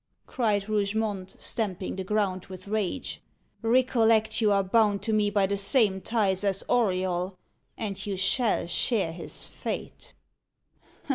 cried Rougemont, stamping the ground with rage. "Recollect, you are bound to me by the same ties as Auriol, and you shall share his fate."